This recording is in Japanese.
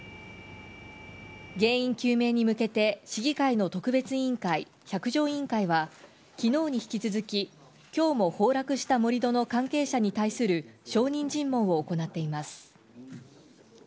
原因究明に向けて市議会の特別委員会百条委員会は昨日に引き続き今日も崩落した盛り土の関係者に対する証人尋問を行っています。